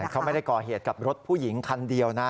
เขาไม่ได้ก่อเหตุกับรถผู้หญิงคันเดียวนะ